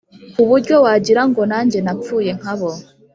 kuburyo wagirango najye napfuye nkabo